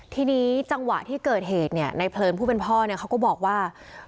ทีนี้จังหวะที่เกิดเหตุเนี่ยในเพลินผู้เป็นพ่อเนี่ยเขาก็บอกว่า